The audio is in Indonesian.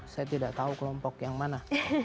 saya tidak tahu kelompok yang mana